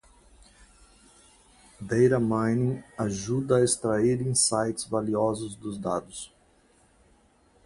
Data Mining ajuda a extrair insights valiosos dos dados.